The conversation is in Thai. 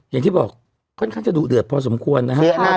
อย่างที่บอกค่อนข้างจะดุเดือดพอสมควรนะฮะ